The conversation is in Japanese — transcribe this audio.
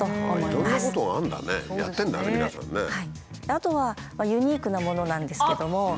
あとはユニークなものなんですけども。